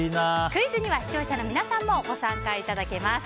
クイズには視聴者の皆さんもご参加いただけます。